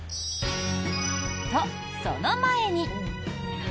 と、その前に！